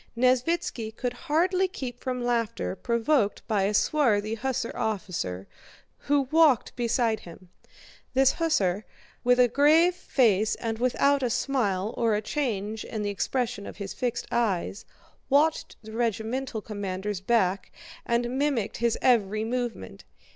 Nesvítski could hardly keep from laughter provoked by a swarthy hussar officer who walked beside him. This hussar, with a grave face and without a smile or a change in the expression of his fixed eyes, watched the regimental commander's back and mimicked his every movement.